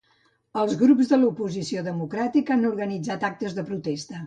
Els grups de l’oposició democràtica han organitzat actes de protesta.